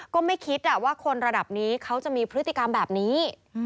ก็ไม่คิดว่าคนระดับนี้เขาจะมีพฤติกรรมแบบนี้